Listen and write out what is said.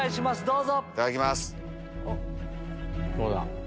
どうだ？